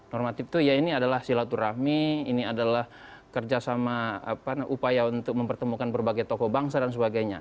normatif itu ya ini adalah silaturahmi ini adalah kerjasama upaya untuk mempertemukan berbagai tokoh bangsa dan sebagainya